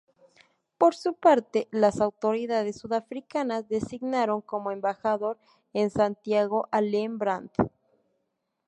Por su parte, las autoridades sudafricanas designaron como embajador en Santiago a Len Brand.